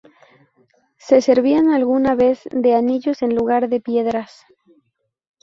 Se servían alguna vez de anillos en lugar de piedras.